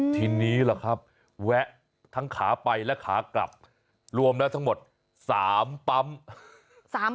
ทีนี้ล่ะครับแวะทั้งขาไปและขากลับรวมแล้วทั้งหมด๓ปั๊ม